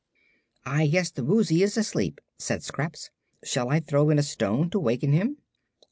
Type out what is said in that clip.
"I guess the Woozy is asleep," said Scraps. "Shall I throw in a stone, to waken him?"